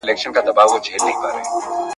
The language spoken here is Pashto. ملنګه ! دا ګټان زلفې، درانۀ باڼۀ اؤ ډک زړۀ؟ ,